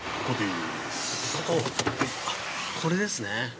こここれですね。